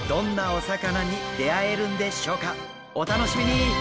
お楽しみに！